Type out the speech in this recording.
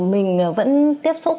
mình vẫn tiếp xúc